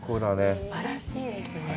すばらしいですね。